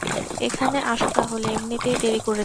এখানে আসো তাহলে, এমনিতেই দেরি করেছো।